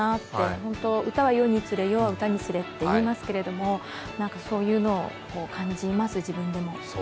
ホント、歌は世につれ、世は歌につれと言いますけど、そういうのを感じます、自分でも。